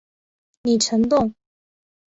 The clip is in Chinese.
李成栋。